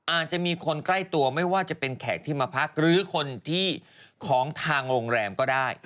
อาจจะมีคนใกล้ตัวไม่ว่าจะเป็นแขกที่มาพักหรือคนที่ของทางโรงแรมก็ได้